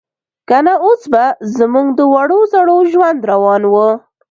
که نه اوس به زموږ د وړو زړو ژوند روان و.